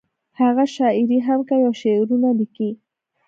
هغه شاعري هم کوي او شعرونه ليکي